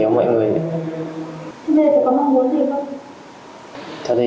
hành động chẳng là sai